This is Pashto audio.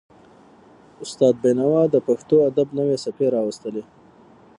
استاد بینوا د پښتو ادب نوې څپې راوستلې.